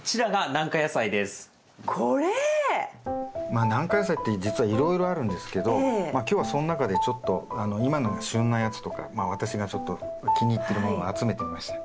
まあ軟化野菜って実はいろいろあるんですけど今日はその中でちょっと今が旬なやつとか私がちょっと気に入ってるものを集めてみました。